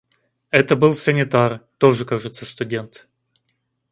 Это был санитар, тоже, кажется, студент.